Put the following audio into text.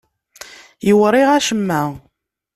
Yewriɣ acemma.